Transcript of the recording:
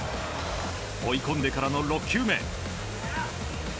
追い込んでからの６球目。